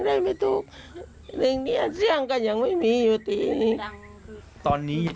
ไปล้วมรัฐต่อว่ากรีงกรีงกันอย่างไม่มีอยู่ตีนี้